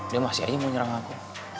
dia masih aja mau nyerah sama aku